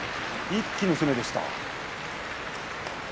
一気の攻めでした。